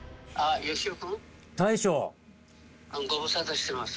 ご無沙汰してます。